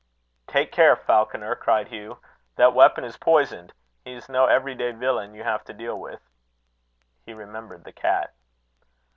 "Take care, Falconer," cried Hugh; "that weapon is poisoned. He is no every day villain you have to deal with." He remembered the cat.